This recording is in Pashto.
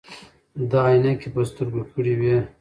ده عینکې په سترګو کړې وې.